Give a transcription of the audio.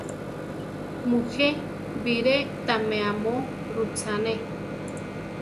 Mujé biré tamé amo rutzane.